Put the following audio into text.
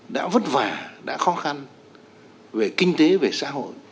đã vất vả đã khó khăn về kinh tế về xã hội